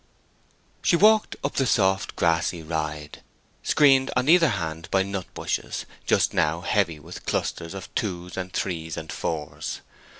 She walked up the soft grassy ride, screened on either hand by nut bushes, just now heavy with clusters of twos and threes and fours.